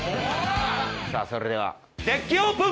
さあそれではデッキオープン！